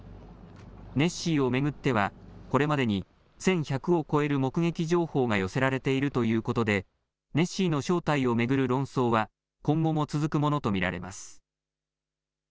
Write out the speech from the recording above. ネッシーを巡ってはこれまでに１１００を超える目撃情報が寄せられているということでネッシーの正体を巡る論争は今後も続くものと見られます。